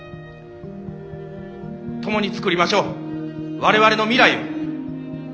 共につくりましょう我々の未来を。